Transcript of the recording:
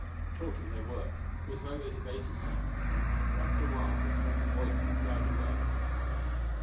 Talking they were, as though they debated something, but after a while the sound of voices died away.